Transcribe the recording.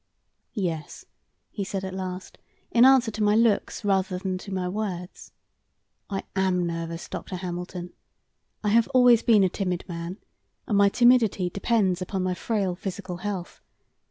"Yes," he said at last, in answer to my looks rather than to my words, "I AM nervous, Dr. Hamilton. I have always been a timid man, and my timidity depends upon my frail physical health.